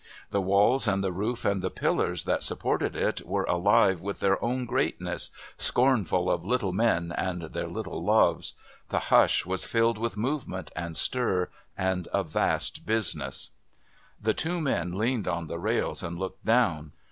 The walls and the roof and the pillars that supported it were alive with their own greatness, scornful of little men and their little loves. The hush was filled with movement and stir and a vast business.... The two men leaned on the rails and looked down.